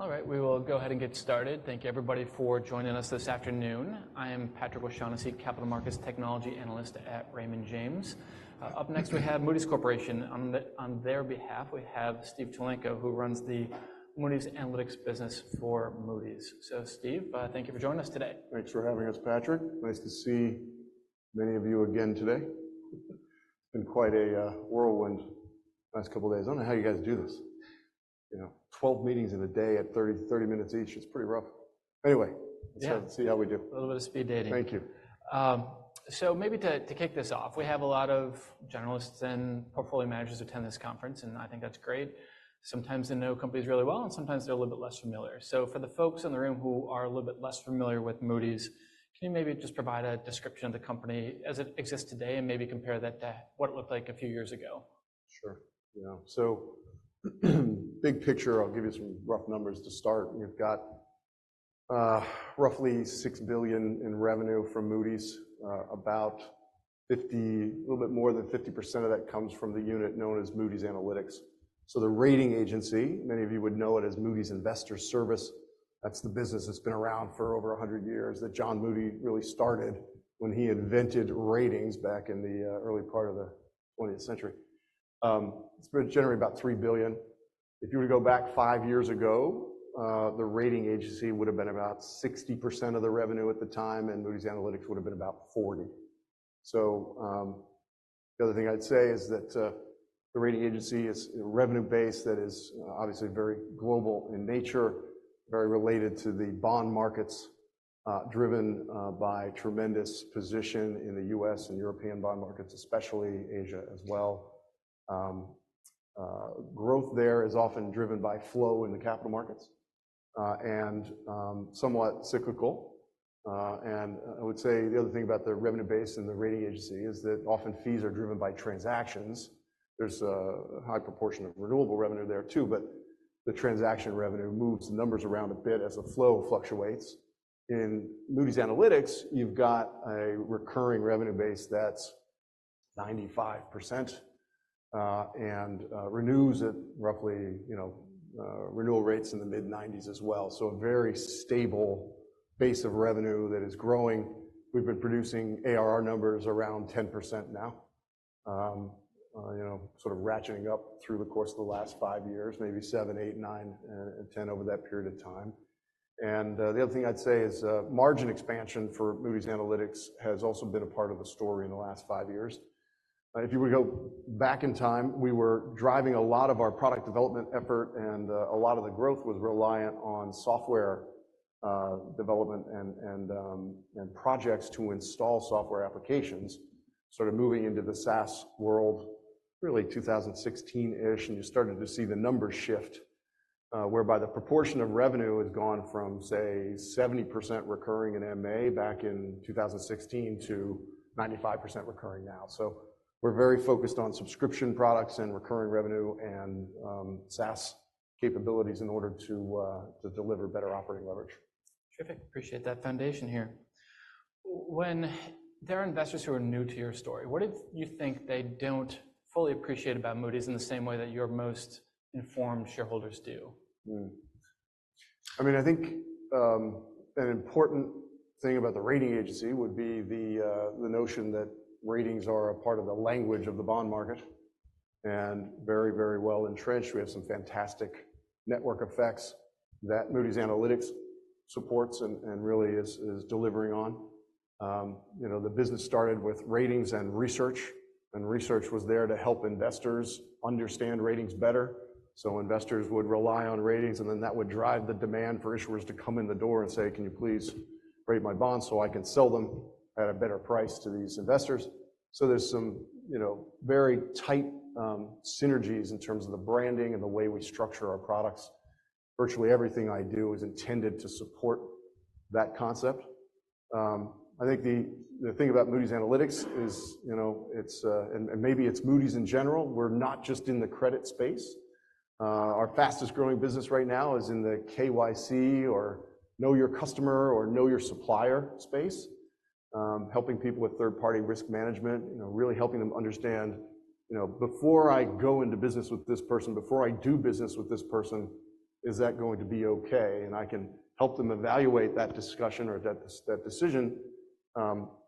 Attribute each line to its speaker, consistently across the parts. Speaker 1: All right, we will go ahead and get. Thank everybody for joining us this afternoon. I am Patrick O'Shaughnessy, Capital Markets Technology Analyst at Raymond James. Up next we have Moody's Corporation. On their behalf, we have Steve Tulenko, who runs the Moody's Analytics Business for Moody's. So, Steve, thank you for joining us today.
Speaker 2: Thanks for having us, Patrick. Nice to see many of you again today. It's been quite a whirlwind last couple days. I don't know how you guys do this, you know, 12 meetings in a day at 30, 30 minutes each. It's pretty rough. Anyway, let's have. Let's see how we do.
Speaker 1: Yeah, a little bit of speed dating.
Speaker 2: Thank you.
Speaker 1: So maybe to kick this off, we have a lot of generalists and portfolio managers attend this conference, and I think that's great. Sometimes they know companies really well, and sometimes they're a little bit less familiar. So for the folks in the room who are a little bit less familiar with Moody's, can you maybe just provide a description of the company as it exists today and maybe compare that to what it looked like a few years ago?
Speaker 2: Sure. Yeah. So, big picture, I'll give you some rough numbers to start. We've got, roughly, $6 billion in revenue from Moody's, about 50, a little bit more than 50% of that comes from the unit known as Moody's Analytics. So the rating agency, many of you would know it as Moody's Investors Service, that's the business that's been around for over 100 years, that John Moody really started when he invented ratings back in the, early part of the 20th century. It's been generating about $3 billion. If you were to go back 5 years ago, the rating agency would have been about 60% of the revenue at the time, and Moody's Analytics would have been about 40%. So, the other thing I'd say is that the rating agency is revenue-based, that is, obviously very global in nature, very related to the bond markets, driven by tremendous position in the U.S. and European bond markets, especially Asia as well. Growth there is often driven by flow in the capital markets and somewhat cyclical. I would say the other thing about the revenue-based and the rating agency is that often fees are driven by transactions. There's a high proportion of renewable revenue there too, but the transaction revenue moves the numbers around a bit as the flow fluctuates. In Moody's Analytics, you've got a recurring revenue base that's 95%, and renews at roughly, you know, renewal rates in the mid-90s as well. So a very stable base of revenue that is growing. We've been producing ARR numbers around 10% now, you know, sort of ratcheting up through the course of the last five years, maybe 7%, 8%, 9%, and 10% over that period of time. The other thing I'd say is, margin expansion for Moody's Analytics has also been a part of the story in the last five years. If you were to go back in time, we were driving a lot of our product development effort, and a lot of the growth was reliant on software development and projects to install software applications, sort of moving into the SaaS world, really 2016-ish, and you started to see the numbers shift, whereby the proportion of revenue has gone from, say, 70% recurring in MA back in 2016 to 95% recurring now. So we're very focused on subscription products and recurring revenue and SaaS capabilities in order to deliver better operating leverage.
Speaker 1: Terrific. Appreciate that foundation here. When there are investors who are new to your story, what do you think they don't fully appreciate about Moody's in the same way that your most informed shareholders do?
Speaker 2: I mean, I think, an important thing about the rating agency would be the, the notion that ratings are a part of the language of the bond market and very, very well entrenched. We have some fantastic network effects that Moody's Analytics supports and, and really is, is delivering on. You know, the business started with ratings and research, and research was there to help investors understand ratings better. So investors would rely on ratings, and then that would drive the demand for issuers to come in the door and say, "Can you please rate my bonds so I can sell them at a better price to these investors?" So there's some, you know, very tight, synergies in terms of the branding and the way we structure our products. Virtually everything I do is intended to support that concept. I think the thing about Moody's Analytics is, you know, it's and maybe it's Moody's in general. We're not just in the credit space. Our fastest-growing business right now is in the KYC or Know Your Customer or Know Your Supplier space, helping people with third-party risk management, you know, really helping them understand, you know, before I go into business with this person, before I do business with this person, is that going to be okay? And I can help them evaluate that discussion or that decision,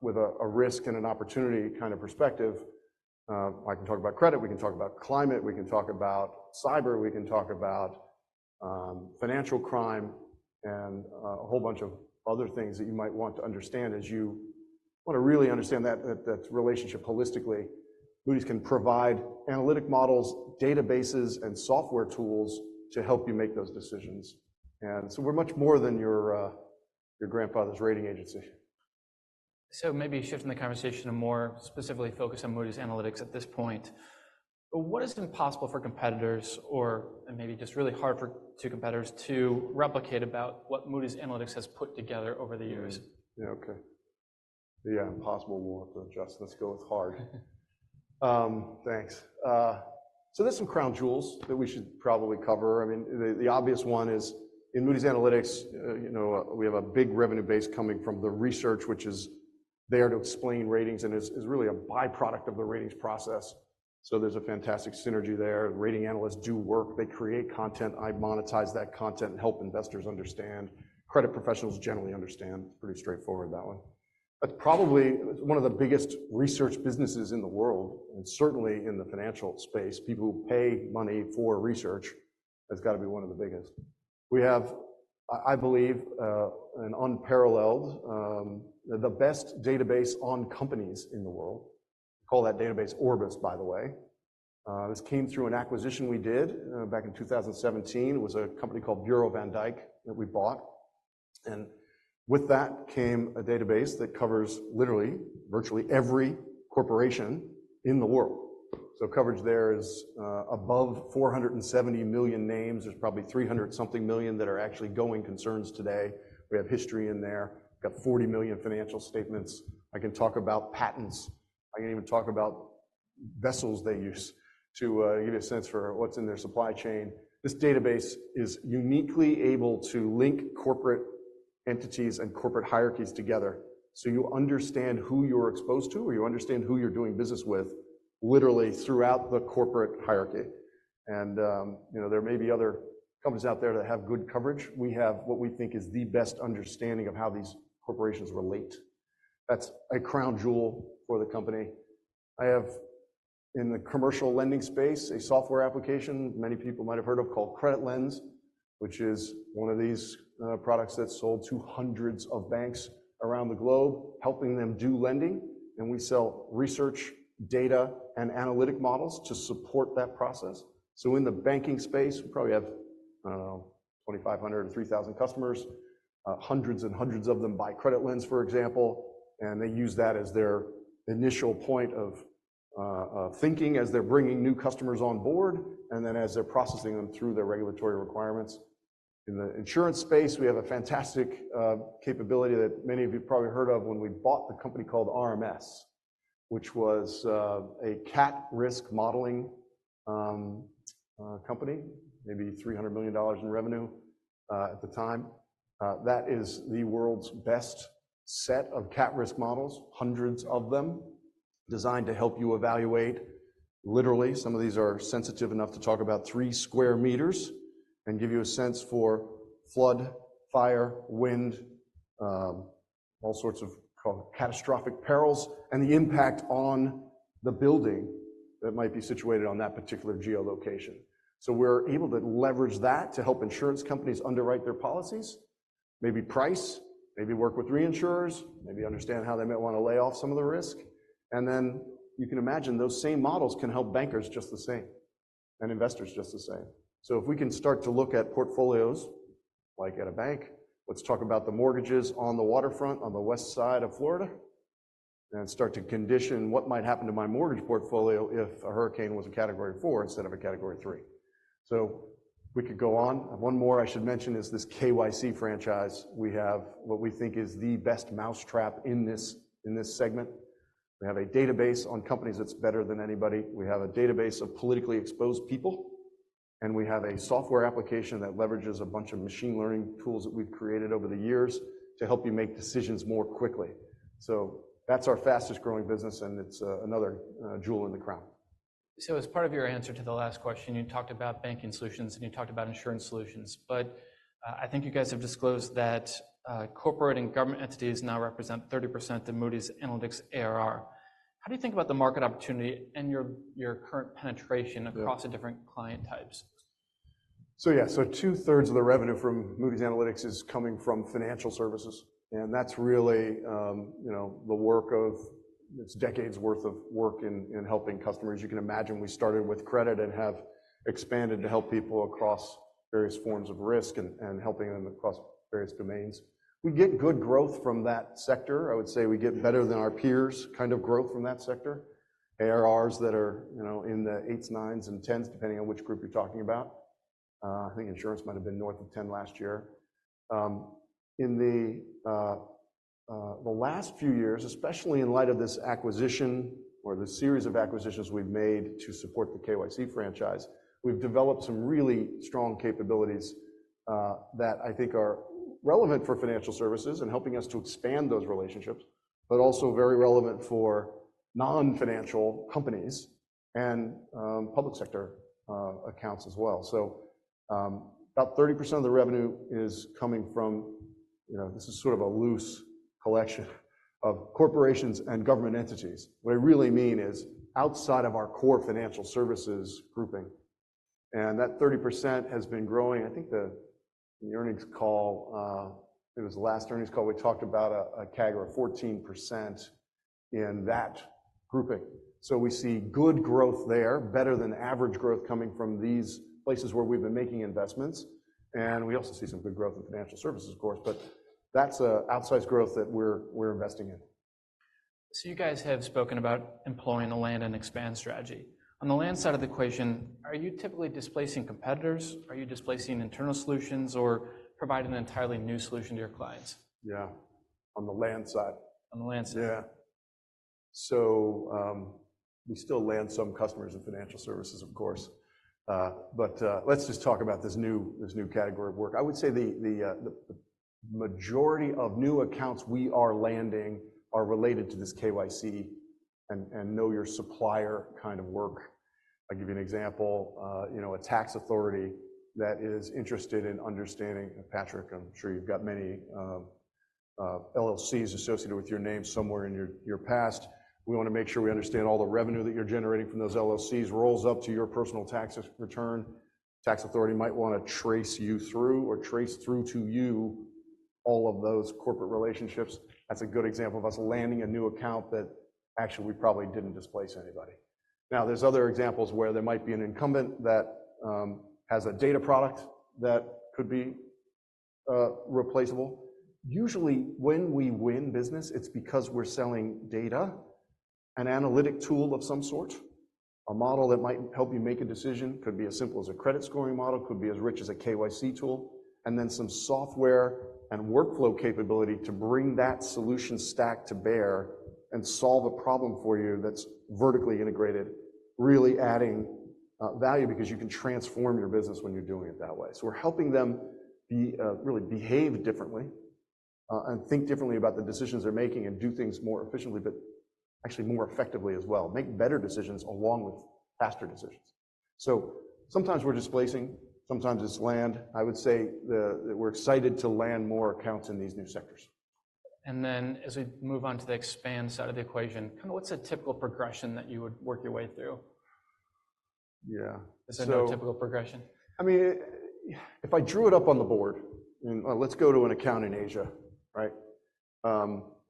Speaker 2: with a risk and an opportunity kind of perspective. I can talk about credit. We can talk about climate. We can talk about cyber. We can talk about financial crime and a whole bunch of other things that you might want to understand as you wanna really understand that relationship holistically. Moody's can provide analytic models, databases, and software tools to help you make those decisions. So we're much more than your, your grandfather's rating agency.
Speaker 1: Maybe shifting the conversation to more specifically focus on Moody's Analytics at this point, what is impossible for competitors or maybe just really hard for competitors to replicate about what Moody's Analytics has put together over the years?
Speaker 2: Yeah, okay. Yeah, impossible. We'll have to adjust. Let's go with hard. Thanks. So there's some crown jewels that we should probably cover. I mean, the obvious one is in Moody's Analytics, you know, we have a big revenue base coming from the research, which is there to explain ratings and is really a byproduct of the ratings process. So there's a fantastic synergy there. Rating analysts do work. They create content. I monetize that content and help investors understand. Credit professionals generally understand. Pretty straightforward, that one. That's probably one of the biggest research businesses in the world and certainly in the financial space. People who pay money for research has gotta be one of the biggest. We have, I believe, an unparalleled, the best database on companies in the world. Call that database Orbis, by the way. This came through an acquisition we did, back in 2017. It was a company called Bureau van Dijk that we bought. With that came a database that covers literally, virtually every corporation in the world. Coverage there is above 470 million names. There's probably 300-something million that are actually going concerns today. We have history in there. We've got 40 million financial statements. I can talk about patents. I can even talk about vessels they use to give you a sense for what's in their supply chain. This database is uniquely able to link corporate entities and corporate hierarchies together so you understand who you're exposed to or you understand who you're doing business with literally throughout the corporate hierarchy. You know, there may be other companies out there that have good coverage. We have what we think is the best understanding of how these corporations relate. That's a crown jewel for the company. I have in the commercial lending space a software application many people might have heard of called CreditLens, which is one of these products that's sold to hundreds of banks around the globe, helping them do lending. And we sell research, data, and analytic models to support that process. So in the banking space, we probably have, I don't know, 2,500 or 3,000 customers, hundreds and hundreds of them buy CreditLens, for example, and they use that as their initial point of thinking as they're bringing new customers on board and then as they're processing them through their regulatory requirements. In the insurance space, we have a fantastic capability that many of you've probably heard of when we bought the company called RMS, which was a cat risk modeling company, maybe $300 million in revenue, at the time. That is the world's best set of cat risk models, hundreds of them, designed to help you evaluate. Literally, some of these are sensitive enough to talk about 3 sq m and give you a sense for flood, fire, wind, all sorts of called catastrophic perils and the impact on the building that might be situated on that particular geolocation. So we're able to leverage that to help insurance companies underwrite their policies, maybe price, maybe work with reinsurers, maybe understand how they might wanna lay off some of the risk. And then you can imagine those same models can help bankers just the same and investors just the same. So if we can start to look at portfolios like at a bank, let's talk about the mortgages on the waterfront on the west side of Florida and start to condition what might happen to my mortgage portfolio if a hurricane was a category 4 instead of a category 3. So we could go on. One more I should mention is this KYC franchise. We have what we think is the best mousetrap in this segment. We have a database on companies that's better than anybody. We have a database of politically exposed people, and we have a software application that leverages a bunch of machine learning tools that we've created over the years to help you make decisions more quickly. So that's our fastest-growing business, and it's another jewel in the crown.
Speaker 1: As part of your answer to the last question, you talked about Banking Solutions, and you talked about Insurance Solutions. I think you guys have disclosed that, corporate and government entities now represent 30% of Moody's Analytics ARR. How do you think about the market opportunity and your current penetration across the different client types?
Speaker 2: So yeah. 2/3 of the revenue from Moody's Analytics is coming from financial services. And that's really, you know, the work of it's decades' worth of work in helping customers. You can imagine we started with credit and have expanded to help people across various forms of risk and helping them across various domains. We get good growth from that sector. I would say we get better than our peers kind of growth from that sector, ARRs that are, you know, in the 8s, 9s, and 10s, depending on which group you're talking about. I think insurance might have been north of 10 last year. In the last few years, especially in light of this acquisition or the series of acquisitions we've made to support the KYC franchise, we've developed some really strong capabilities that I think are relevant for financial services and helping us to expand those relationships, but also very relevant for non-financial companies and public sector accounts as well. So, about 30% of the revenue is coming from, you know, this is sort of a loose collection of corporations and government entities. What I really mean is outside of our core financial services grouping. And that 30% has been growing. I think in the earnings call, it was the last earnings call, we talked about a CAGR of 14% in that grouping. So we see good growth there, better than average growth coming from these places where we've been making investments. We also see some good growth in financial services, of course, but that's outsized growth that we're investing in.
Speaker 1: So you guys have spoken about employing the land and expand strategy. On the land side of the equation, are you typically displacing competitors? Are you displacing internal solutions or providing an entirely new solution to your clients?
Speaker 2: Yeah. On the land side.
Speaker 1: On the land side?
Speaker 2: Yeah. So, we still land some customers in financial services, of course. But, let's just talk about this new category of work. I would say the majority of new accounts we are landing are related to this KYC and know-your-supplier kind of work. I'll give you an example. You know, a tax authority that is interested in understanding Patrick, I'm sure you've got many LLCs associated with your name somewhere in your past. We wanna make sure we understand all the revenue that you're generating from those LLCs rolls up to your personal tax return. A tax authority might wanna trace you through or trace through to you all of those corporate relationships. That's a good example of us landing a new account that actually we probably didn't displace anybody. Now, there's other examples where there might be an incumbent that has a data product that could be replaceable. Usually, when we win business, it's because we're selling data, an analytic tool of some sort, a model that might help you make a decision. Could be as simple as a credit scoring model. Could be as rich as a KYC tool. And then some software and workflow capability to bring that solution stack to bear and solve a problem for you that's vertically integrated, really adding value because you can transform your business when you're doing it that way. So we're helping them really behave differently, and think differently about the decisions they're making and do things more efficiently but actually more effectively as well, make better decisions along with faster decisions. So sometimes we're displacing. Sometimes it's land. I would say that we're excited to land more accounts in these new sectors.
Speaker 1: And then as we move on to the expand side of the equation, kinda what's a typical progression that you would work your way through?
Speaker 2: Yeah. So.
Speaker 1: Is there no typical progression?
Speaker 2: I mean, if I drew it up on the board, I mean, let's go to an account in Asia, right?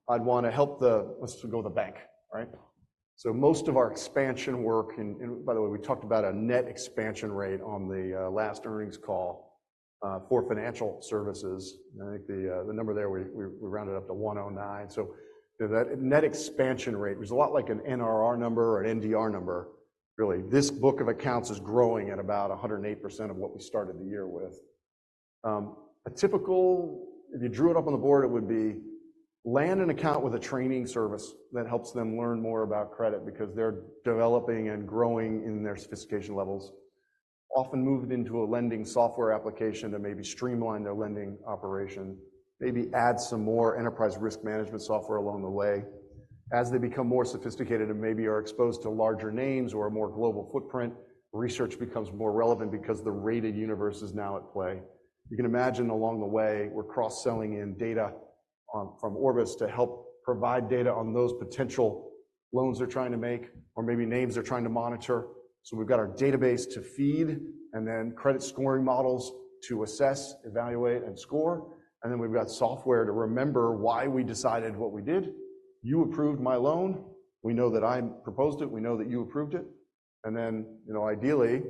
Speaker 2: I'd wanna help the let's go to the bank, right? So most of our expansion work in, by the way, we talked about a net expansion rate on the last earnings call, for Financial Services. And I think the number there we rounded up to 109. So that net expansion rate was a lot like an NRR number or an NDR number, really. This book of accounts is growing at about 108% of what we started the year with. A typical, if you drew it up on the board, it would be land an account with a training service that helps them learn more about credit because they're developing and growing in their sophistication levels, often move into a lending software application to maybe streamline their lending operation, maybe add some more enterprise risk management software along the way. As they become more sophisticated and maybe are exposed to larger names or a more global footprint, research becomes more relevant because the rated universe is now at play. You can imagine along the way, we're cross-selling in data on from Orbis to help provide data on those potential loans they're trying to make or maybe names they're trying to monitor. So we've got our database to feed and then credit scoring models to assess, evaluate, and score. And then we've got software to remember why we decided what we did. You approved my loan. We know that I proposed it. We know that you approved it. And then, you know, ideally,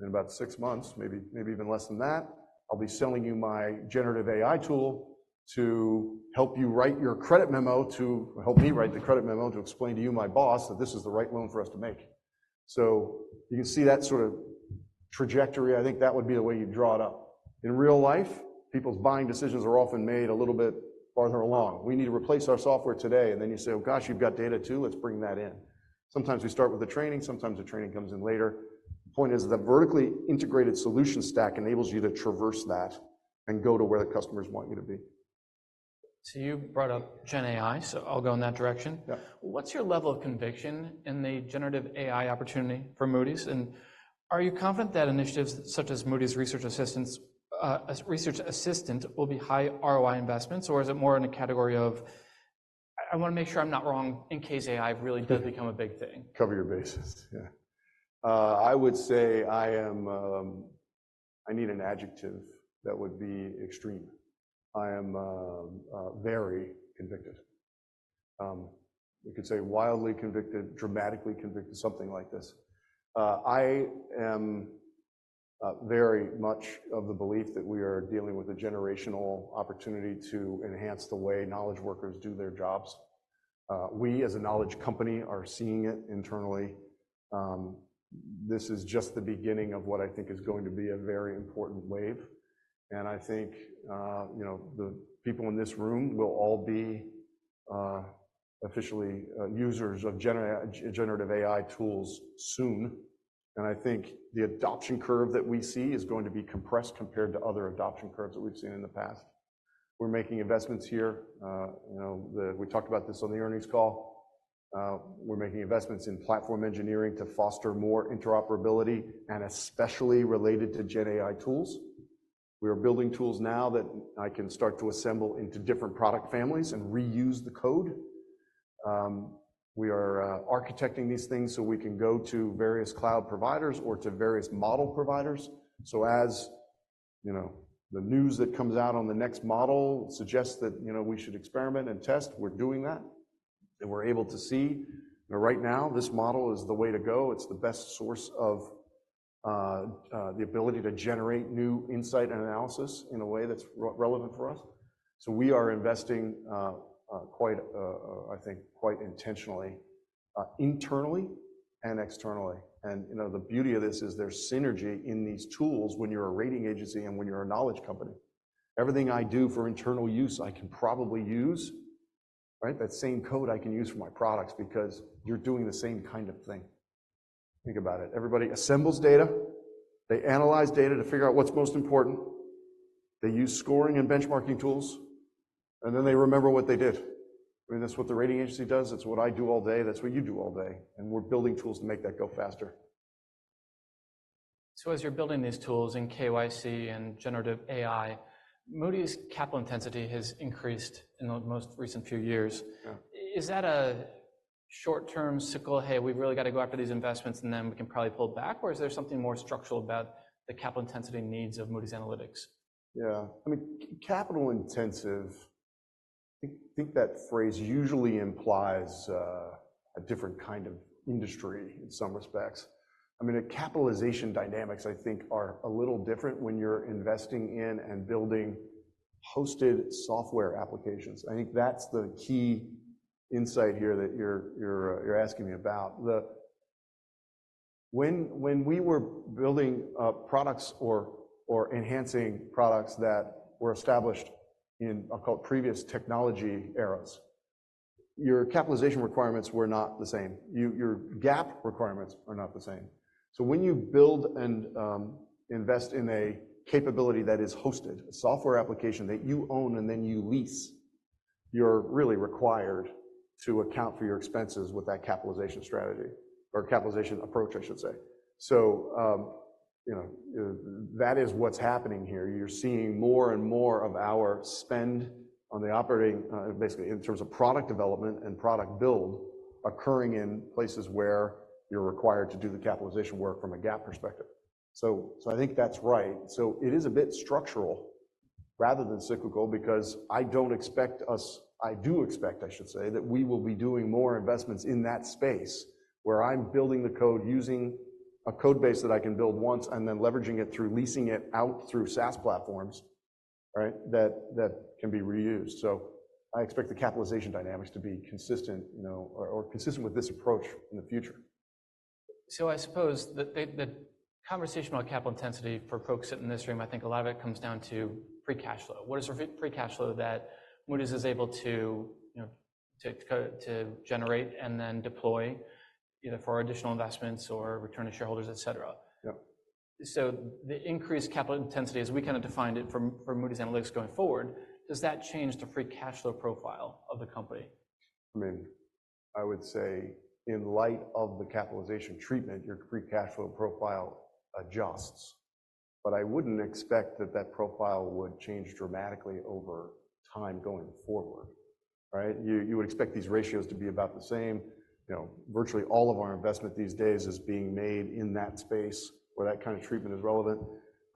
Speaker 2: in about six months, maybe, maybe even less than that, I'll be selling you my generative AI tool to help you write your credit memo to help me write the credit memo to explain to you, my boss, that this is the right loan for us to make. So you can see that sort of trajectory. I think that would be the way you'd draw it up. In real life, people's buying decisions are often made a little bit farther along. We need to replace our software today. And then you say, "Oh, gosh, you've got data too. Let's bring that in." Sometimes we start with the training. Sometimes the training comes in later. The point is the vertically integrated solution stack enables you to traverse that and go to where the customers want you to be.
Speaker 1: So you brought up GenAI, so I'll go in that direction.
Speaker 2: Yeah.
Speaker 1: What's your level of conviction in the generative AI opportunity for Moody's? And are you confident that initiatives such as Moody's Research Assistant will be high ROI investments? Or is it more in a category of, "I wanna make sure I'm not wrong in case AI really does become a big thing"?
Speaker 2: Cover your bases. Yeah. I would say I am. I need an adjective that would be extreme. I am very convicted. You could say wildly convicted, dramatically convicted, something like this. I am very much of the belief that we are dealing with a generational opportunity to enhance the way knowledge workers do their jobs. We as a knowledge company are seeing it internally. This is just the beginning of what I think is going to be a very important wave. And I think, you know, the people in this room will all be officially users of generative AI tools soon. And I think the adoption curve that we see is going to be compressed compared to other adoption curves that we've seen in the past. We're making investments here. You know, we talked about this on the earnings call. We're making investments in platform engineering to foster more interoperability and especially related to GenAI tools. We are building tools now that I can start to assemble into different product families and reuse the code. We are architecting these things so we can go to various cloud providers or to various model providers. So as, you know, the news that comes out on the next model suggests that, you know, we should experiment and test, we're doing that. And we're able to see, you know, right now, this model is the way to go. It's the best source of the ability to generate new insight and analysis in a way that's relevant for us. So we are investing quite, I think, quite intentionally, internally and externally. And, you know, the beauty of this is there's synergy in these tools when you're a rating agency and when you're a knowledge company. Everything I do for internal use, I can probably use, right, that same code I can use for my products because you're doing the same kind of thing. Think about it. Everybody assembles data. They analyze data to figure out what's most important. They use scoring and benchmarking tools. And then they remember what they did. I mean, that's what the rating agency does. That's what I do all day. That's what you do all day. And we're building tools to make that go faster.
Speaker 1: As you're building these tools in KYC and generative AI, Moody's capital intensity has increased in the most recent few years.
Speaker 2: Yeah.
Speaker 1: Is that a short-term signal, "Hey, we've really gotta go after these investments, and then we can probably pull back"? Or is there something more structural about the capital intensity needs of Moody's Analytics?
Speaker 2: Yeah. I mean, the capital-intensive thing, that phrase usually implies a different kind of industry in some respects. I mean, the capitalization dynamics, I think, are a little different when you're investing in and building hosted software applications. I think that's the key insight here that you're asking me about. Then, when we were building products or enhancing products that were established in, I'll call it, previous technology eras, your capitalization requirements were not the same. Your GAAP requirements are not the same. So when you build and invest in a capability that is hosted, a software application that you own and then you lease, you're really required to account for your expenses with that capitalization strategy or capitalization approach, I should say. So, you know, that is what's happening here. You're seeing more and more of our spend on the operating, basically in terms of product development and product build occurring in places where you're required to do the capitalization work from a GAAP perspective. So, so I think that's right. So it is a bit structural rather than cyclical because I don't expect us I do expect, I should say, that we will be doing more investments in that space where I'm building the code using a codebase that I can build once and then leveraging it through leasing it out through SaaS platforms, right, that, that can be reused. So I expect the capitalization dynamics to be consistent, you know, or, or consistent with this approach in the future.
Speaker 1: I suppose that they, the conversation about capital intensity for folks sitting in this room, I think a lot of it comes down to free cash flow. What is the free cash flow that Moody's is able to, you know, to generate and then deploy, either for additional investments or return to shareholders, etc.?
Speaker 2: Yeah.
Speaker 1: So the increased capital intensity, as we kinda defined it from Moody's Analytics going forward, does that change the free cash flow profile of the company?
Speaker 2: I mean, I would say in light of the capitalization treatment, your free cash flow profile adjusts. But I wouldn't expect that that profile would change dramatically over time going forward, right? You would expect these ratios to be about the same. You know, virtually all of our investment these days is being made in that space where that kinda treatment is relevant,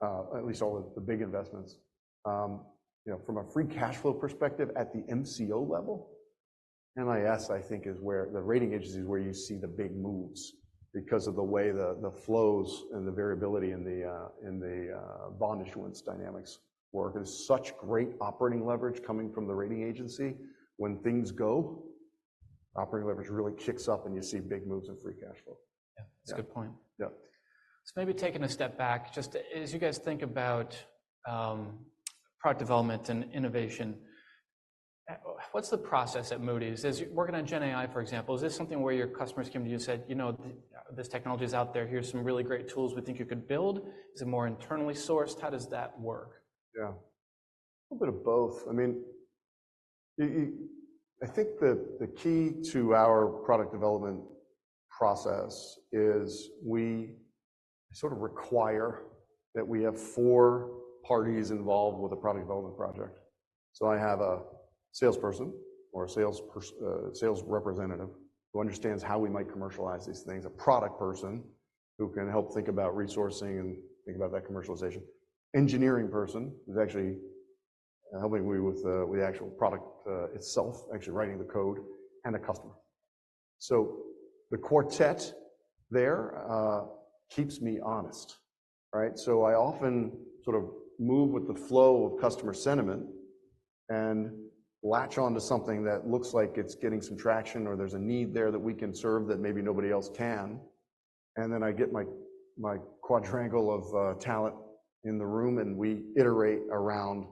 Speaker 2: at least all of the big investments. You know, from a free cash flow perspective, at the MCO level, MIS, I think, is where the rating agency is where you see the big moves because of the way the flows and the variability in the bond issuance dynamics work. It's such great operating leverage coming from the rating agency. When things go, operating leverage really kicks up, and you see big moves in free cash flow.
Speaker 1: Yeah. That's a good point.
Speaker 2: Yeah.
Speaker 1: So maybe taking a step back, just as you guys think about, product development and innovation, what's the process at Moody's? As you're working on GenAI, for example, is this something where your customers come to you and said, "You know, this technology is out there. Here's some really great tools we think you could build. Is it more internally sourced? How does that work?
Speaker 2: Yeah. A little bit of both. I mean, you I think the key to our product development process is we sort of require that we have four parties involved with a product development project. So I have a salesperson or sales representative who understands how we might commercialize these things, a product person who can help think about resourcing and think about that commercialization, engineering person who's actually helping me with the actual product itself, actually writing the code, and a customer. So the quartet there keeps me honest, right? So I often sort of move with the flow of customer sentiment and latch onto something that looks like it's getting some traction or there's a need there that we can serve that maybe nobody else can. And then I get my, my quadrangle of talent in the room, and we iterate around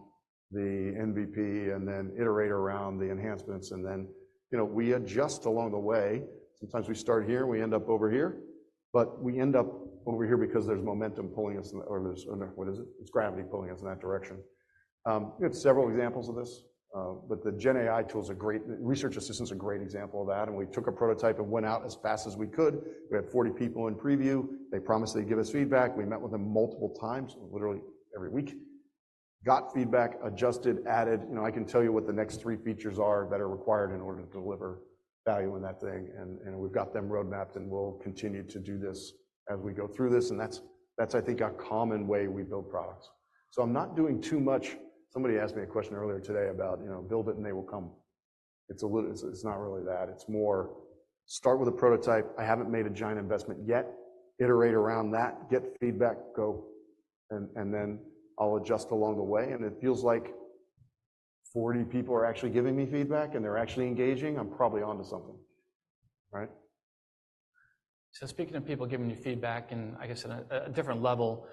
Speaker 2: the MVP and then iterate around the enhancements. And then, you know, we adjust along the way. Sometimes we start here, and we end up over here. But we end up over here because there's momentum pulling us in the or there's or what is it? It's gravity pulling us in that direction. We have several examples of this. But the GenAI tools are great. The research assistants are a great example of that. And we took a prototype and went out as fast as we could. We had 40 people in preview. They promised they'd give us feedback. We met with them multiple times, literally every week, got feedback, adjusted, added. You know, I can tell you what the next three features are that are required in order to deliver value in that thing. And, you know, we've got them roadmapped, and we'll continue to do this as we go through this. And that's, I think, a common way we build products. So I'm not doing too much. Somebody asked me a question earlier today about, you know, "Build it, and they will come." It's a little. It's not really that. It's more, "Start with a prototype. I haven't made a giant investment yet. Iterate around that. Get feedback. Go." And then I'll adjust along the way. And it feels like 40 people are actually giving me feedback, and they're actually engaging. I'm probably onto something, right?
Speaker 1: So speaking of people giving you feedback and, I guess, at a different level,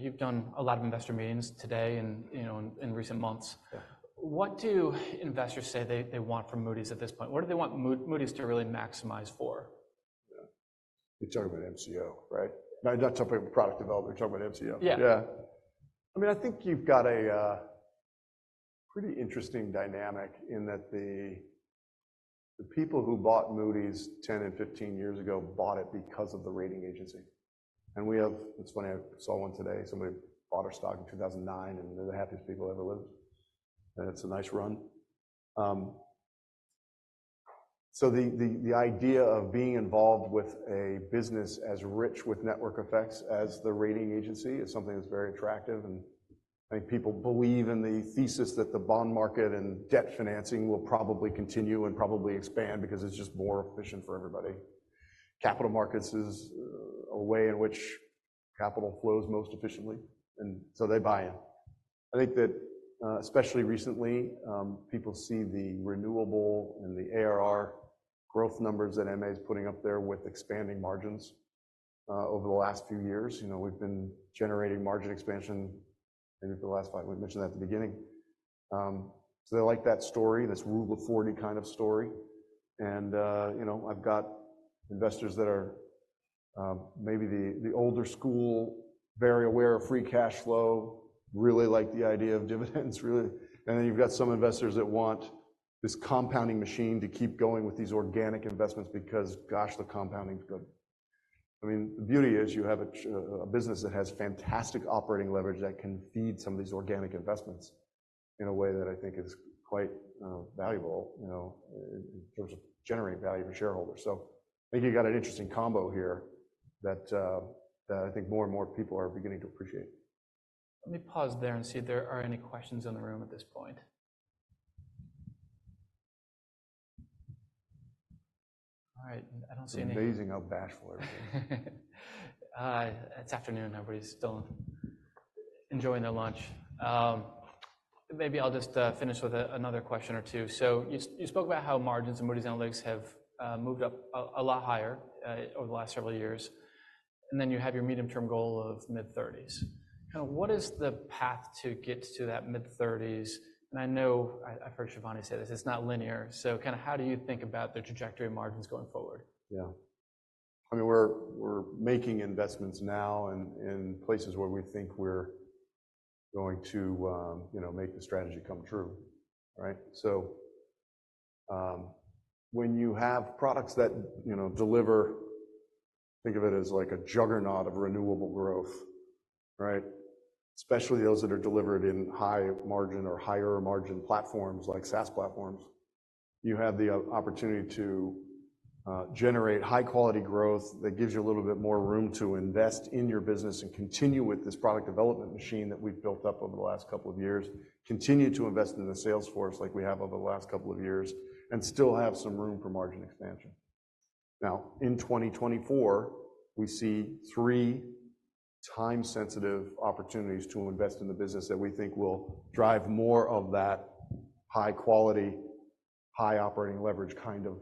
Speaker 1: you've done a lot of investor meetings today and, you know, in recent months.
Speaker 2: Yeah.
Speaker 1: What do investors say they want from Moody's at this point? What do they want Moody's to really maximize for?
Speaker 2: Yeah. You're talking about MCO, right? Now, you're not talking about product development. You're talking about MCO.
Speaker 1: Yeah.
Speaker 2: Yeah. I mean, I think you've got a pretty interesting dynamic in that the people who bought Moody's 10 and 15 years ago bought it because of the rating agency. And we have. it's funny. I saw one today. Somebody bought our stock in 2009, and they're the happiest people I've ever lived. And it's a nice run. So the idea of being involved with a business as rich with network effects as the rating agency is something that's very attractive. And I think people believe in the thesis that the bond market and debt financing will probably continue and probably expand because it's just more efficient for everybody. Capital markets is a way in which capital flows most efficiently. And so they buy in. I think that, especially recently, people see the renewable and the ARR growth numbers that MA is putting up there with expanding margins, over the last few years. You know, we've been generating margin expansion maybe for the last five weeks. We mentioned that at the beginning. So they like that story, this Rule of 40 kind of story. And, you know, I've got investors that are, maybe the, the older school, very aware of free cash flow, really like the idea of dividends, really. And then you've got some investors that want this compounding machine to keep going with these organic investments because, gosh, the compounding's good. I mean, the beauty is you have a business that has fantastic operating leverage that can feed some of these organic investments in a way that I think is quite valuable, you know, in terms of generating value for shareholders. So I think you got an interesting combo here that I think more and more people are beginning to appreciate.
Speaker 1: Let me pause there and see if there are any questions in the room at this point. All right. I don't see any.
Speaker 2: It's amazing how bashful everything is.
Speaker 1: It's afternoon. Everybody's still enjoying their lunch. Maybe I'll just finish with another question or two. So you spoke about how margins in Moody's Analytics have moved up a lot higher over the last several years. And then you have your medium-term goal of mid-30s%. What is the path to get to that mid-30s%? And I know I've heard Shivani say this. It's not linear. So kind of how do you think about the trajectory of margins going forward?
Speaker 2: Yeah. I mean, we're making investments now in places where we think we're going to, you know, make the strategy come true, right? So, when you have products that, you know, deliver, think of it as like a juggernaut of renewable growth, right, especially those that are delivered in high-margin or higher-margin platforms like SaaS platforms, you have the opportunity to generate high-quality growth that gives you a little bit more room to invest in your business and continue with this product development machine that we've built up over the last couple of years, continue to invest in the sales force like we have over the last couple of years, and still have some room for margin expansion. Now, in 2024, we see three time-sensitive opportunities to invest in the business that we think will drive more of that high-quality, high-operating leverage kind of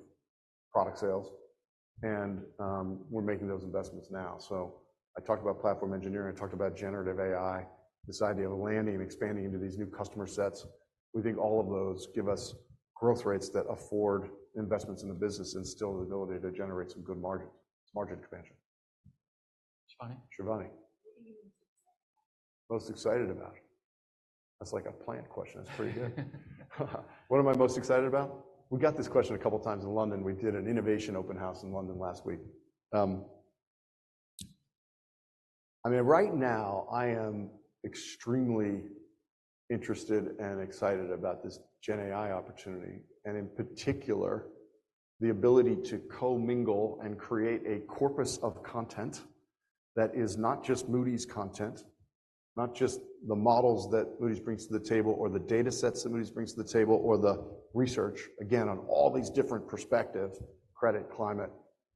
Speaker 2: product sales. We're making those investments now. I talked about platform engineering. I talked about generative AI, this idea of landing and expanding into these new customer sets. We think all of those give us growth rates that afford investments in the business and still the ability to generate some good margins, margin expansion.
Speaker 1: Shivani?
Speaker 2: Shivani. Most excited about? That's like a plant question. That's pretty good. What am I most excited about? We got this question a couple of times in London. We did an innovation open house in London last week. I mean, right now, I am extremely interested and excited about this GenAI opportunity and, in particular, the ability to co-mingle and create a corpus of content that is not just Moody's content, not just the models that Moody's brings to the table or the data sets that Moody's brings to the table or the research, again, on all these different perspectives: credit, climate,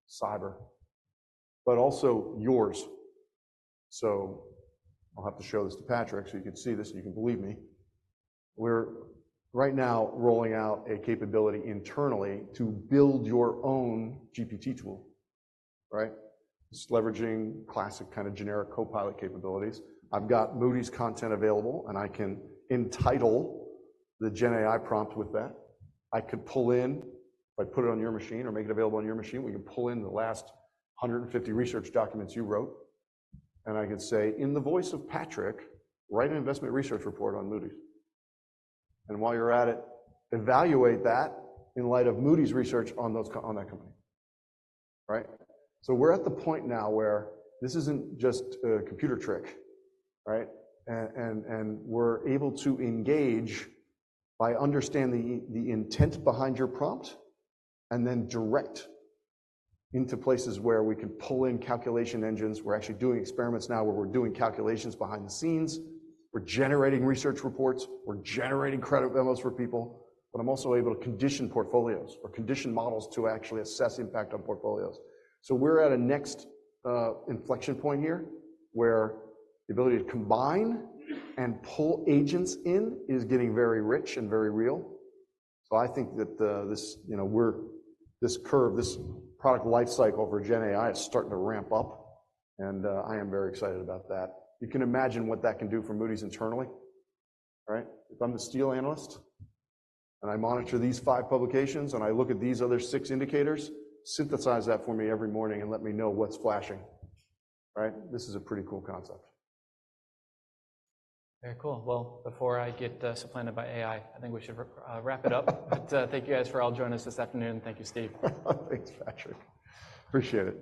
Speaker 2: cyber, but also yours. So I'll have to show this to Patrick so you can see this, and you can believe me. We're right now rolling out a capability internally to build your own GPT tool, right? It's leveraging classic kind of generic Copilot capabilities. I've got Moody's content available, and I can entitle the GenAI prompt with that. I could pull in if I put it on your machine or make it available on your machine. We can pull in the last 150 research documents you wrote. And I could say, "In the voice of Patrick, write an investment research report on Moody's. And while you're at it, evaluate that in light of Moody's research on those on that company," right? So we're at the point now where this isn't just a computer trick, right? And, and, and we're able to engage by understanding the intent behind your prompt and then direct into places where we can pull in calculation engines. We're actually doing experiments now where we're doing calculations behind the scenes. We're generating research reports. We're generating credit memos for people. But I'm also able to condition portfolios or condition models to actually assess impact on portfolios. So we're at an inflection point here where the ability to combine and pull agents in is getting very rich and very real. So I think that this, you know, we're on this curve, this product lifecycle for GenAI is starting to ramp up. And I am very excited about that. You can imagine what that can do for Moody's internally, right? If I'm the steel analyst, and I monitor these five publications, and I look at these six indicators, synthesize that for me every morning and let me know what's flashing, right? This is a pretty cool concept.
Speaker 1: Very cool. Well, before I get supplanted by AI, I think we should wrap it up. But, thank you guys for all joining us this afternoon. Thank you, Steve.
Speaker 2: Thanks, Patrick. Appreciate it.